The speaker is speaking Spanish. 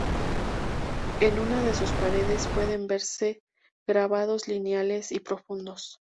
En una de sus paredes pueden verse grabados lineales y profundos.